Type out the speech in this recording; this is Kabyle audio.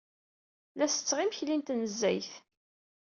La setteɣ imekli n tnezzayt.